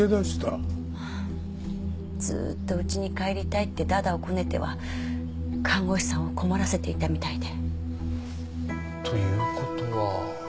ずっと家に帰りたいって駄々をこねては看護師さんを困らせていたみたいで。という事は。